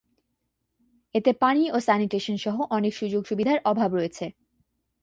এতে পানি ও স্যানিটেশন সহ অনেক সুযোগ-সুবিধার অভাব রয়েছে।